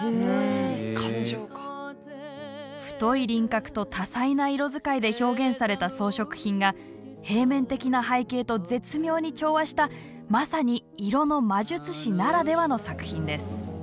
太い輪郭と多彩な色使いで表現された装飾品が平面的な背景と絶妙に調和したまさに色の魔術師ならではの作品です。